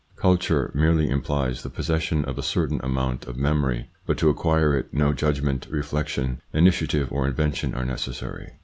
Culture merely implies the possession of a certain amount of memory, but to acquire it no judgment, reflection, initiative or invention are necessary.